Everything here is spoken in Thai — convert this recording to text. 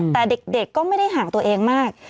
แต่เด็กก็ไม่ได้ห่างตัวเองมาก